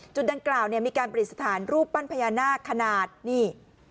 จุดดังกล่าวมีการปฏิสถานรูปปั้นพญานาคขนาดนี่